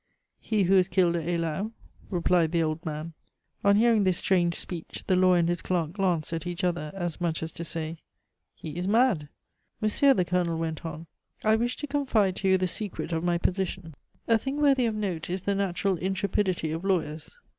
"He who was killed at Eylau," replied the old man. On hearing this strange speech, the lawyer and his clerk glanced at each other, as much as to say, "He is mad." "Monsieur," the Colonel went on, "I wish to confide to you the secret of my position." A thing worthy of note is the natural intrepidity of lawyers.